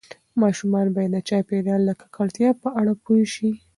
ماشومان باید د چاپیریال د ککړتیا په اړه پوه شي.